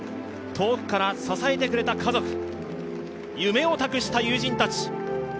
遠くから支えてくれた家族、夢を託した友人たち。